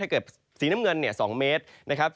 ถ้าเกิดสีน้ำเงิน๒เมตรนะครับ